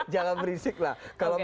jangan berisik lah